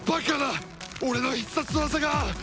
俺の必殺技が！